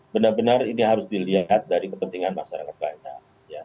benar benar ini harus dilihat dari kepentingan masyarakat banyak